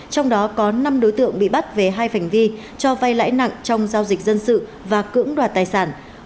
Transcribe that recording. trong đó có năm đối tượng bị bắt về hai hành vi cho vay lãi nặng trong giao dịch dân sự và cưỡng đoạt tài sản